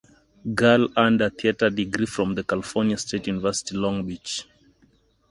Gill earned a theater degree from the California State University, Long Beach.